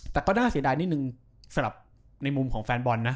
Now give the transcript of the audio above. แต่ก็น่าเสียดายนิดนึงสำหรับในมุมของแฟนบอลนะ